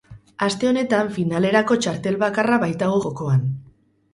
Aste honetan finalerako txartel bakarra baitago jokoan.